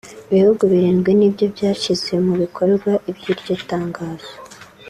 ibihugu birindwi ni byo byashyize mu bikorwa iby’iryo tangazo